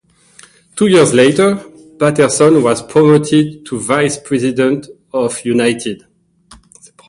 Two years later, Patterson was promoted to vice president of United.